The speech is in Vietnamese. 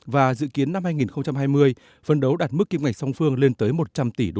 và dự kiến năm hai nghìn hai mươi phân đấu đạt mức kim ngạch song phương lên tới một trăm linh tỷ usd